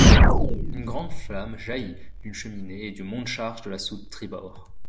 Une grande flamme jaillit d'une cheminée et du monte-charge de la soute tribord.